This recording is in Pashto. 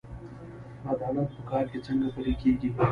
عدالت په کار کې څنګه پلی کیږي؟